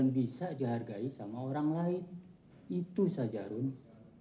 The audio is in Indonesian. tapi mereka tidak mengingat tahu anda